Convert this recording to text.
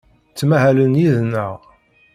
Ttmahalen yid-neɣ.